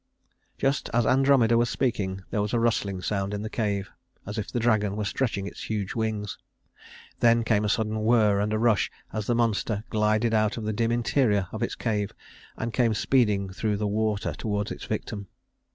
Just as Andromeda was speaking, there was a rustling sound in the cave, as if the dragon were stretching its huge wings. Then came a sudden whir and rush, as the monster glided out of the dim interior of its cave, and came speeding through the water toward its victim.